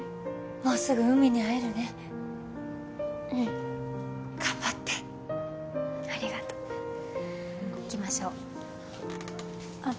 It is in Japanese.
もうすぐ海に会えるねうん頑張ってありがと行きましょうあっ